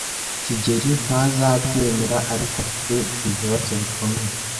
kigeli ntazabyemera, ariko afite ibibazo bikomeye.